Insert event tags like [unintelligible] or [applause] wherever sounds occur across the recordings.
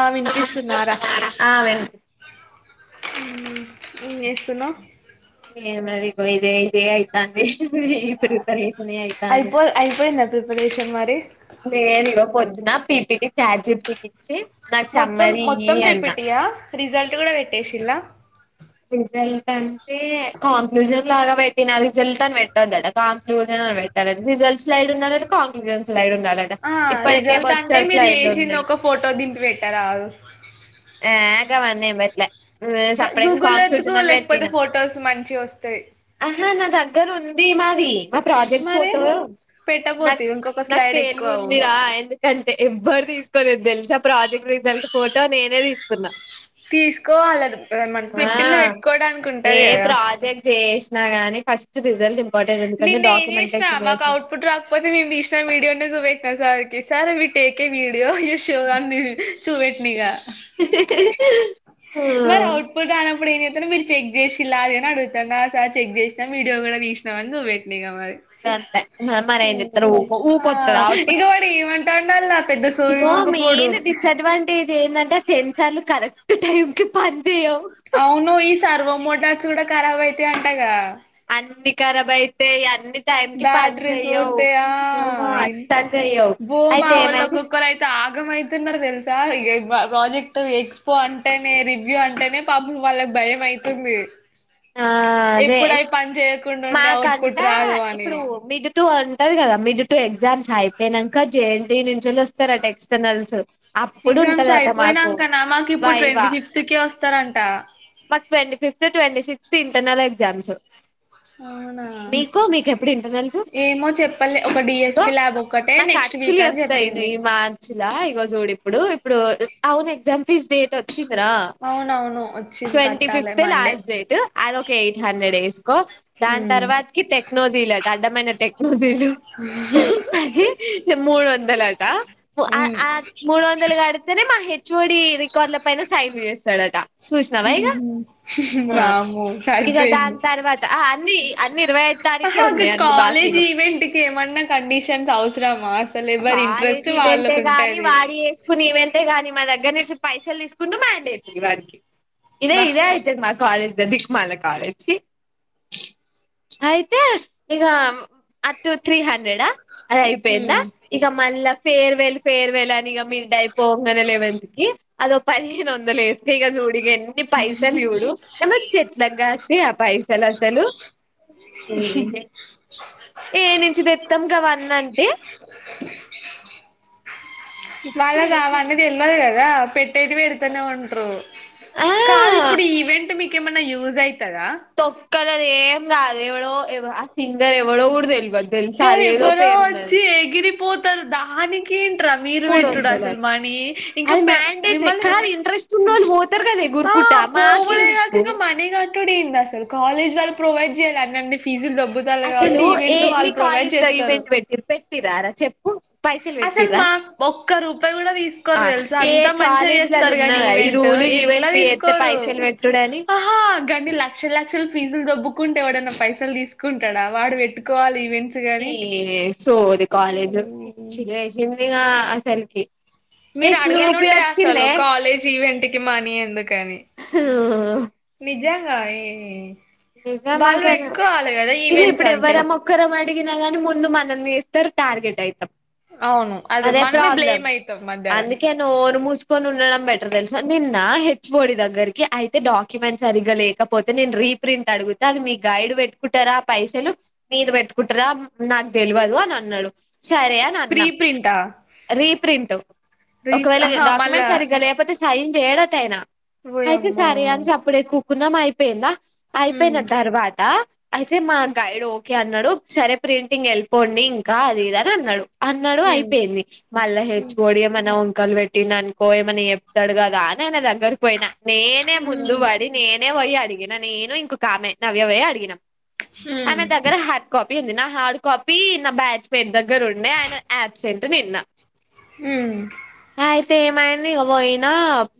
ఆ వినిపిస్తుందా రా ఆ వినిపి ఉ ఏం చేస్తున్నావ్ ఏం లేదు ఇగో ఇదే ఇదే అయ్ తాంది ప్రిపరేషనే ఐతంది అయిపో అయిపోయిందా ప్రిపరేషన్ మరి నెన్ ఇగో పొద్దున పీపిటి చాట్ జీపీటీ కి ఇచ్చి నాకు మొత్తం సమ్మరీ ఇయ్యి మొత్తం అన్నా పీపిటియా రిసల్ట్ గుడా వెట్టేసిలా రిజల్ట్ అంటే కాంక్లూజన్ లాగా పెట్టిన రిజల్ట్ అని పెట్టద్దడా కాంక్లూజన్ పెట్టలే రిజల్స్లైడ్ ఉన్న కాంక్లూజన్ స్లైడ్ ఉ ఆ రిజల్ట్ అంటే మీరు చెసింది ఉన్నాయి ఒక ఫోటో దింపి పెట్టరాదు ఆ గవన్ని ఎం పట్లే సప్పడిక గూగుల్ ఎతుకు క్యాన్సిలుషన్ అని లేకపోతే పెట్టినా ఫొటోస్ మంచి వస్తాయి ఆహా నా దగ్గర ఉంది మాది మా ప్రోజెక్ట్ ఫోటో నాకు పెట్టపోతివి ఇంకో నాకు తెేలివు ఉందిరా ఎందుకంటే ఎవ్వరు తీసుకోలేదు తెలుసా ఆ ప్రాజెక్ట్ రైజల్ట్ ఫోటో నేనే తీస్ తున్న తీస్కోవలరు ఆ ఏ కదా ప్రాజెక్ట్ చేసినా గాని ఫస్ట్ రిజల్ట్ ఇంపార్టెంట్ ఎందుకంటే నిన్న ఏం జేష్ణ డాక్యుమెంటేషన్ మాకు చేసి అవుట్పుట్ రాకపోతే మేము తీసిన విడియో ఉంటే చూపెట్ క సార్కి sir we take video you show అన్ని చూపెట్న ఇగ ఆ మరి అవుట్పుట్ రానప్పుడు ఎం జెస్తారు వీళ్ళు చెక్ చేష్ చిల్ లాగాన అడుగుతార్ న సార్ చెక్ చేస్నా వీడియో గుడా తిస్టునా అని చూపెట్న ఇగ మరి అంతే మరి ఏం చెప్తారు ఊకో ఆ ఊకొత్తది అవుట్పుట్ ఇగో వాడు ఏమంటుండు ఆల్ అత్ ఇగో మెయిన్ డిసడ్వాంటేజ్ ఏందంటే ఆ సెన్సార్లు కరెక్ట్ టైం కి పన్ అవును ఈ సారి మొమోట్స్ కూడా ఖరాబ్ అయితాయి అంటగా అన్ని ఖరాబ్ అయితాయ్ అన్ని టైం కి పని బ్యాటరీస్ చెయ్యవు పోతాయా ఇన్ అస్సలు చెయ్యవు బో అయితే మావోల్లు ఏమైంది ఒక్కక్కరు అయితే ఆ ఆగము అయితున్నరు తెల్సా సా ఇగ ప్ర ప్రాజెక్ట్ ఎక్స్పో అంటేనే రివ్యూ అంటేనే పపం వాళ్ళకి భయం అయితుంది ఆ అదే ఇప్పుడు అయి పని చేయకుండా ఉండే అవుట్ మాకంట పుట్ రాదు అన్ ఇప్పుడు మిడ్ తు ఉంటది గదా మిడ్ టూ ఎగ్జామ్స్ అయిప్ నేనంక జేఎన్టీ నుంచెల్లి వొస్తారంట ఎక్సటర్నల్స్ ఎగ్జామ్స్ అయిపోయినంకన మాకు ఇప్పుడు వైవా ట్వంటీ ఫిఫ్త్ కె వొస్తారంట మాకు twenty fifth twenty sixth internal exams అవునా మీకు మీకెప్పుడు ఇంటర్నల్స్ ఏమో చెప్పాలె ఒక డిఎస్పి ల్యాబ్ ఒక్కటే నెక్స్ట్ వీక్ అని చెప్తాయి ను చెప్పింది ఈ మార్చ్ల ఇగొ చూడి ఇప్పుడు ఇప్పుడు అవున్ ఎగ్జాం ఫీజ్ డేట్ వొచ్చింద్ త్ర అవునవును వచ్చింది ట్వంటీ కట్టాలి ఫిఫ్త్ ఎ మండే లాస్ట్ డేట్ అద ఒక ఎయిట్ హండ్రెడ్ డేస్ కో దాని ఉమ్ తర్వాత కి టెక్నోజీలు అడ్డమైన టెక్నోజీలు అజి మూడు వందలట ఆ ఉమ్ ఆ మూడు వందలు గడితేనే మా హెచ్ఓడి రికార్డుల పైన సైన్లు చేస్తాడట చూసినవా ఇగ ఉహు ఆ వామ్మో ఇక సరిపోయింది దాని తర్వాత అన్ని అన్ని ఇరవై ఐదు తారీకే ఆహా ఒక ఉన్నాయి అన్ని కాలేజ్ బాకీలు ఈవెంట్ కి ఏమన్నా కండిషన్స్ అవసరమా అసలు ఎవరి ఇంట్రెస్ట్ కాలేజ్ ఈవెంటే వాళ్ళకు గానీ ఉంటది వాడి చేసుకునే ఈవెంట అంతే గాని మా దగ్గర నుంచి పైసలు తీసుకుండు మండటరీ వారికి ఇదే బా ఇదే అయితది మా కాలేజ్ మళ్ల కాలోచి అయితే ఇగ అతు త్రీ హండ్రెడా అద అయిపోయిందా హ్మ్ ఇగ మళ్ళా ఫేర్ వెెల్ ఫేర్ వెెల్ అని ఇగ మీడ్ అయిపోంగనే లెవెంత్ కి అదొ పదిహేను వొంద్ లు ఏస్కో ఇగ జుడు ఇగ ఎన్ని పైసలు చూడు ఏ మ్ ట్లగ్ గస్తాయ్ ఆ పైసలు అసలు ఏ నుంచి తెత్తమ్ గవన్న అంటే పిచ్చిగా వాళ్లగ్ అవన్నీ వేసింది. తెల్వదు గదా పెట్టేది పెడ్తూనే ఉంట్ రు ఆ కాదు ఇప్పుడు ఈ ఈవెంట్ మీకేమన్నా యూజ్ అయితదా తొక్కలది కాదు ఎం గాదు ఎవడో ఎవ ఆ సింగర్ ఎవడో గుడా తెల్వద్ కర్ ఎవరో వొచ్చి ఎగిరిపోతరు దానికి మూడు వందల అది ఇంకా అది పె మ్యాండేటరీ మిమ్మల్ని కాదు ఇంట్రెస్ట్ ఉన్నోళ్లు పోతారు కదా ఎగురు కుట్ట మాక్ ఎందుకు ట్టుడు ఏందీ అసలు కాలేజీ వాళ్ళు ప్రొవైడ్ చేయాలి అన్నన్ని ఫీజుల్ దొబ్బుతార్లు అసలు కాబట్టి ఏ ఈవెంట్ లో మీ వాళ్ళు ప్రొవైడ్ కాలేజ్ లో చేస్తరు ఈవెంట్ పెట్టిరు పెట్టిరారా చెప్పు పైసలు అసలు పెట్టిర్రా మాక్ ఒక్క రూపాయి కూడా తీస్ ఆ కోరు తెలుస ఏ అంత మంచిగా కాలేజీలలో చేస్తారు గాని ఉన్నదా ఈ ఈవెంట్ రూల్ ఎల్లా ఈవెంట్లు చేత్తే తీసుకోరు పైసలు పెట్టుడని ఆహా ఆ గన్ని లక్షల లక్షలు ఫీజులు దొబ్బకుంటే ఎవడన్న పైసలు తీసుకుంటాడా వాడు వెట్టుకోవాలి ఈవెంట్ ఇ వె సోది కాలేజ్ పిచ్చి లేశింది ఇగ అసల్కి మీరు అడగనుండే అసలు కాలేజీ ఈవెంట్ కి మనీ ఎందుకు అని నిజాంగా ఏ నిజం అసలు ఇగు ఈవెంట్స్ ఇప్పుడు అంటే ఎవ్వరం మొక్కరం అడిగినా గాని ముందు మనల్నిస్తారు టార్గెట్ అయితాం అవును అది అదే మనమే ప్రాబ్లం బ్లేమ్ అయితాం మధ్యలో అందుకే నోరుముసుకొని ఉండడం బెటర్ తెలుసా నిన్న హె చ్వొడి దగ్గరికి అయితే డాక్యుమెంట్ సరిగ్గ లేకపోతే నేను రీ ప్రింట్ అడుగుత అది మీ గైడ్ వెట్టుకుంటరా పైసలు మీరు వెట్టుకుంటరా నాకు తెల్వదు అని అన్ న్నడు సరే ప్రీ అనన్న ప్రింటా రీ ప్రింట్ రీ ఒకవేళ ఆహా మళ్ళా డాక్యుమెంట్ సరిగ్గ లేకపోతే సైన్ చేయడటయాన అయితే ఓయమ్మో సరే అని చప్పుడెక ఉకున్నం అయిపోయిందా అయిపోయిన ఉమ్ తర్వాత అయితె మా గైడ్ ఓకే అన్నడు సరే ప్రింటింగ్ ఎళ్ళిపోండి ఇంకా అది ఇది అని అన్నడు అన్నడు అయిపోయింది మళ్ళా హెచ్వొ డి ఏమన్న వొ క్కలు వెట్టిండనుకో ఏమన్న చెప్తాడు గదా అయన దగ్గరకి పోయినా నేనే ముందు పడి నేన్ నే వోయి అడిగిన నేను ఇంకోకామే నవ్య వోయి అడిగినం ఉ ఎంది నా హార్డ్ కాపీ నా బ్యాచ్ పేర్ దగ్గరుండే ఆయన యాబ్సెంట్ నిన్న తె ఏమైంది ఇగ వోయినా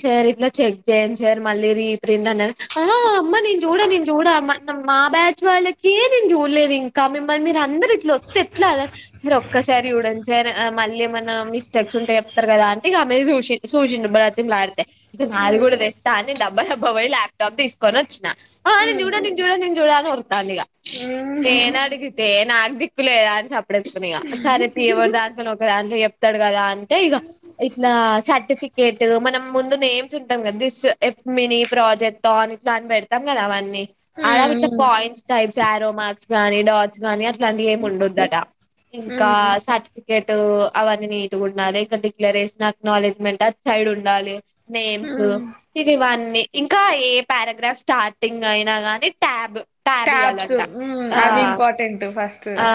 సార్ ఇట్ల చెక్ చేయండి సార్ మళ్ళీ రీ ప్రింట్ అన్నారు అహా అమ్మ నేను చూడ నేను చూడా అమ్మ మా బ్యాచ్ వాళ్ళకే నేను చూడలేదిం క మిమ్మల్ని మీరందరు ఇట్లోస్తే ఎట్లా ఒక్కసారి చుడండి సార్ మళ్ళీ ఏమన్నా మిస్టేక్స్ ఉంటె చెప్తారు గదా అంటె ఇగ ఆమెది సుశిం సూశిండు బ్రతిమిలాడితే ఐతె నాది గూడ తెస్తా అని దబ్బ దబ్బ వోయి ల్యాప్టప్ తీసుకొని ఒచ్చినా ఆ ఆహ్ నిన్ చూడా నిన్ చూడా నిన్ చూడా అని ఉరుకుతాందిగా నేన్ అడిగితే నాదిక్ క్కు లేదా అని సప్పుడేక ఉకున్నిగ సరే తియ్ ఎవర్ దంట్లనో ఒక దంట్లొ జెప్ ప్తాడు గదా అంటే ఇగ ఇట్లా సర్టిఫికేట్ మనం ముందు నేమ్స్ ఉంటాం గదా థిస్ ఎప్ మినీ ప్రాజెక్ట్ ఆన్ ఇట్లా అన్ పెడ్తామ్ గదా అవన్నీ అడ ఇట్లా పాయింట్స్ టైప్స్ యారో మార్క్స్ గానీ డాట్స్ గానీ అట్ల్ ట్లంటియి ఏమి ఉండోదట ఇంకా సర్టిఫికేట్ టు అవన్నీ నీట్ గుండాలి ఇక డిక్లరేషన్ అక్నౌలెడ్జమెంట్ సైడ్ ఉండాలి నేమ్స్ ఇగివ్వన్నీ ఇంకా ఏ పారాగ్రాఫ్ స్టార్టింగ్ అయినా గానీ ట్యాబ్ ట్యాబ్ ట్యాబ్స్ ఇయ్యాలంట మ్ ఆ అవి ఇంపార్టెంట్ ఫస్ట్ ఆ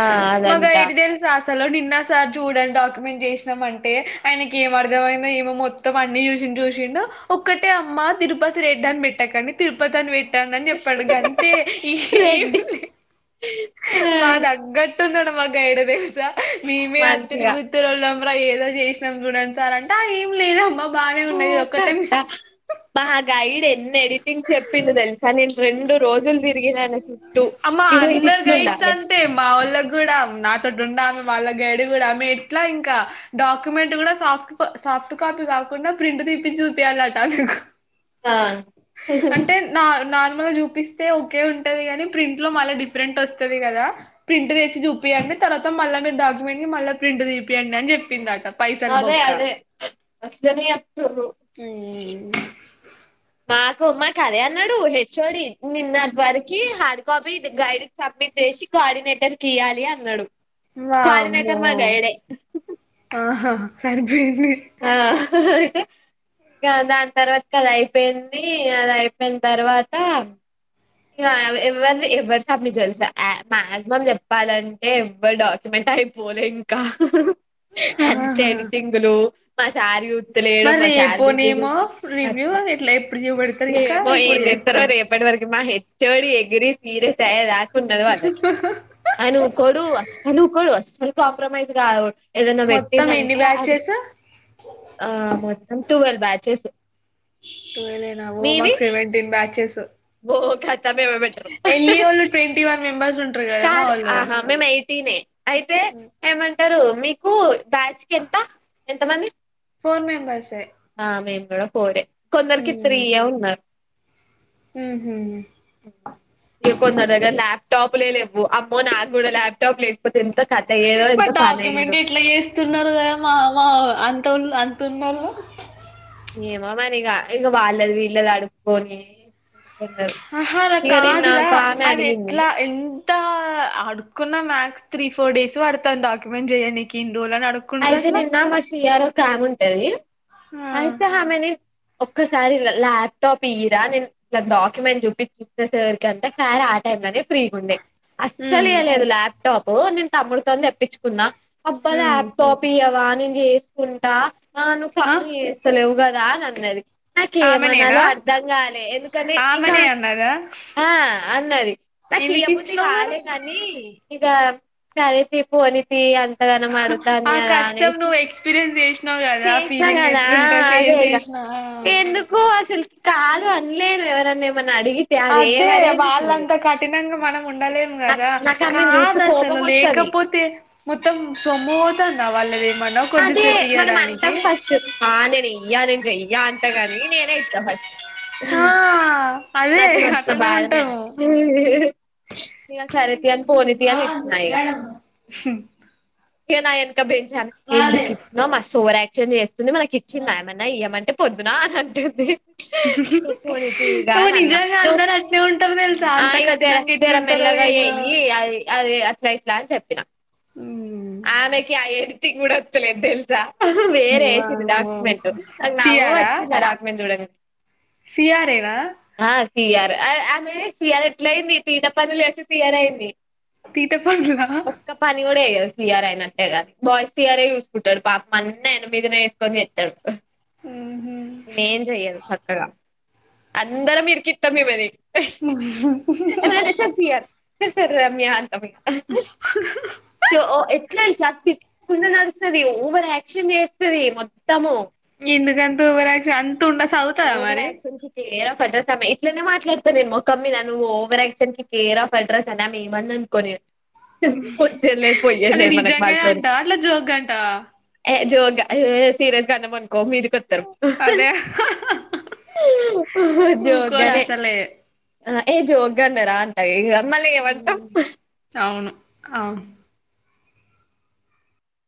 మ అదంట గైడ్ తెలుసా అస్ సలు నిన్న సార్ చూడండి డాక్యుమెంట్ జేశినాం అంటే ఆయనకి ఏమర్థమయిందో ఏమో మొత్తం అన్ని జుశిన్ జూశిండు ఒక్కటే అమ్మ తిరుపతి రెడ్ అని పెట్టకండి తిరుపతి అని వెట్ ట్టండని చెప్పాడు గంతే రెడ్డి ఇగేమ్ లె మా ఆ తగ్గట్టున్నడు మా గైడదే మేమే అత్తిరి మంచిగా బిత్తిరొళ్ళంరా ఏదో చేశినాం చూడండి సార్ అంటే ఆ ఏం లేదమ్మా బాగానే పూ ఉన్నది ఒక్కటే కట్ట మిస్ మా గైడ్ ఎన్ని ఎడిటింగ్ చెప్పిండు తెలుసానె అమ్మ ఇగో ఇది అందరు గైడ్స్ ఇట్లుండాలి అంతే మావొళ్ళగూడ నాతోటి ఉండల వాళ్ళ గైడ్ గూడా ఆమె ఎట్లా ఇంకా డాక్యుమెంట్ గూడా సాఫ్ట్ సాఫ్ట్ కాప్ పి కాకుండా ప్రింట్ తిప్పిచి చూపియాలటా ఆమెక్ ఆ అంటే నార్ నార్ ర్మల్ గ చూపిస్తే ఒకే ఉంటది గని ప్రింట్ లో మళ్ళి డిఫరెంట్ వస్తది గదా ప్రింట్ తెచ్చి చూపియండి తర్వాత మళ్ళ మీరు డాక్యుమెంట్ కి మళ్ళ ప్రింట్ తీపియండి అని చెప్పిందట పైసలు అదే బొక్క అదే అట్లనే చెప్తుర్రు ఉమ్ మాకు మాకు అదే అన్నడు హెచ్ ఓ డి నిన్నటి వరకి హర్ కాపీ ఇది గైడ్ సబ్మిట్ చేసి కోఆర్డినేటర్ కియ్యాలి అన్నడు వామ్మో ఆహా సరిపోయింది అయితే ఇంగ దాని తర్వాత అది అయిపోయింది అదయిపోయిన్ తర్వాత ఇగ ఎ ఎవర్ది ఎవర్ సబ్మిట్ చేయాలి తెలుసా ఆ మాక్సిమం చెప్పాలంటే ఎవ్వరు డాక్యుమెంట్ అయిపోలే ఇంకా అంతే ఆహా ఎడిటింగులు మా సార్ జుత్తలేడు. మా మరి సార్ పోనేమో బిజీగుండు రివ్యూ ఇట్లా ఎప్పుడు చూపెడతారు ఇంకా ఏమో ఏం ఇప్పుడు జేత్తరో చేస్తారు రేపటి వరకి మాహె చోడి ఎగిరి సీరియస్ దాక ఉన్నది వాల్లకి అస్సల్ కాంప్రమైజ్ గాదో ఏదన్నా మొత్తం ఎన్ని వెట్టిండంటే అది బ్యాచెస్ ఆ మొత్తం టువేల్ బాచ్చెస్ టువెలేనా ఓ మక్ సెవెంటీన్ బాచ్చెస్ బో కతనే బెటరు ఎల్లి వాళ్ళు ట్వంటీ వన్ మెంబర్స్ ఉంటారు కదా మా కాదు వాళ్ళు ఆహా మెమేయన్ ఐతే ఏమంటారు మీకు బాచ్ కెంత ఎంతమంది ఫోర్ మెంబర్స్సే పోరె కొందర్కి త్రీయే ఉన్నర్ ఉహు. ఇగ కొందరగ్గ లాప్ టాపులే లెవ్వూ అమ్మో నాగూడ లాప్ టాప్ లే ప డాక్యుమెంట్ ఎట్ల చేస్తున్నారుగా మా మా అంతోల్ అన్ తున్నలు ఏమోమరిగా ఇంగ వాళ్ళది వీళ్ళది అడుక్కోనీ అహా అల కాదురా ఆమె అడిగింది అవెట్లా ఎన్ తా అడుక్కున్న మ్యాక్స్ త్రీ ఫోర్ డేస్ పడ్తాద్ డాక్యుమెంట్ జెయ్యనీకీ ఐతే నిన్న మా సిఆర్ ఓకాముంటది ఆ ఐతామెని ఒక్కసారి ల లాప్టాప్ ఇయ్యిరా నేన్ డాక్యుమెంట్ జుపిచ్చి సారకంటే ఆయన టైంలనే ఫ్రీగుండే ఉమ్ అస్సలియ్య లేడు లాప్టాప్ నేన్ తమ్ముడ్తో దెప్పిచ్చు కున్నా అబ్బా ఉమ్ లాప్ ఓపియ్యవా నేన్ జేస్కుంటా అ నువ్ ఆ నువ్వు జేస్తలేవ్ గదా అనన్నది. ఆమెనేనా నాకేమనాలో అర్ధంగాలే ఎందుకనే ఇగా ఆమెనే అన్నదా ఆ అన్నది నాకియ్య ఎందుకు ఇచ్చినావు మరి బుద్ధిగాలేగనీ ఇగా సరేతీయ్ పోనితియ్ అంతగనమడ్ ఆ కష్టం ఇగదనేషి నువ్వు ఎక్స్పీరియన్స్ చేసినావు కదా ఆ చేష్నా ఫీలింగ్ గదా ఎట్లుంటది అదే ఫేస్ ఇగ చేసినా ఎందుకు అసల్క్ కాదు అన్లేద్ ఎవరన్నేమన్ అద్దే వాళ్ళంతా కఠినంగా మనముండలేం నాకు గదా నాకు ఆమెను చూసి కాదు కోపం అసలు వస్తది లేకపోతే మొత్తం సొమ్ము వోతాందా వళ్ళెదేం అదే మనమంటం ఫస్ట్ ఆ నెనీయ్యా నేనుజెయ్యా అంటగాని నేనే ఇత్త ఫస్ట్ ఆ అదే మతనొచ్చిన అట్లనే బాధనే ఉంటాము ఇగ సరే తియ్ పోనీ తియ్యని ఇచ్చినా ఇగా ఇగ నాయెన్కా బెంచ్చామె ఎందుకిచ్చినవ్ మస్త్ ఓవరాక్షన్ జేస్తుంది. మనకిచ్చిందా ఏమన్నా ఇయ్యమంటే పొద్దునా అంటేంది పోనీతీగా ఓ అనన్నా నిజంగా అందరు అట్నే ఉంటారు తెలుసా ఆ అంత ఇగ జర కఠినంగా జర మెళ్ళ ఎట్లుంటారో అలా ఏందో యెయ్యి అది అదే అట్లా ఇట్లా అని జెప్పినా ఉమ్. ఆమెకి ఆ ఎడిటింగ్ గూడ ఒత్తలేద్ తెల్సా వేరే ఏసిండ్ వామ్మో డాక్యుమెంట్ నాకు నవ్వొచ్చింద్ ఆ డాక్యుమెంట్ జూడంగానే సీయారేనా సీయార్ ఆ ఆమె సియారెట్లాయింది. తీట పనుల్జేషి సీయారయింది. తీట పన్లా సీయార్ ఐనట్టేగాని బాయ్ సీయారే జూస్కుంటడు. పాపమన్నీ ఆయనమీదే ఏస్కోన్ జేత్తడు. ఇమేం జెయ్యదు సక్కగా అందరం ఇర్కిత్తం ఇమేని సర్ సార్ రమ్యా ఆన్ ఎట్లా ఎల్సా [unintelligible] నడుస్తది ఓవరాక్షన్ జేస్తదీ మొత్తము ఎందుకంతోవరాక్షన్ అంతుండ సదుతదా మరీ సమె ఇట్లనే మాట్లాడతా నేన్మోకమ్మీద నన్వోవరాక్షన్కి కేర్ ఆఫ్ అడ్రస్ అని ఆమెమన్నన్కొని వచ్చేది లేదు పోయేది అది లేదు మనకి నిజంగానే వాళ్లతోనే అంట అట్లా జోక్ అంట ఏ జోక్ ఆయిఏ సీరియస్గన్నమన్కో మీదికొత్తరు అదే ఊకోడు జోగ్గనే అసలే అ ఏ జోగ్గన్నరా అ ఇగ అమల్లి ఏమంటాం అవును అవును